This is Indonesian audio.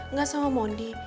nggak sama mondi